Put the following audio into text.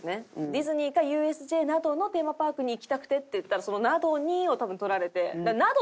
「ディズニーかＵＳＪなどのテーマパークに行きたくて」って言ったらその「などに」を多分取られて。